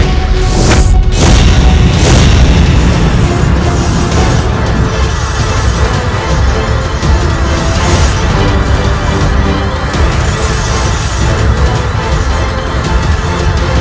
tolong selamatkanlah kakakku